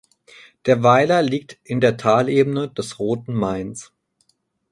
Der Weiler liegt in der Talebene des Roten Mains.